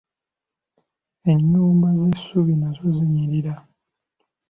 Ennyumba z'essubi nazo zinnyirira